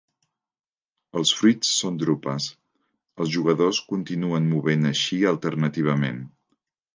Els fruits són drupes. Els jugadors continuen movent així alternativament.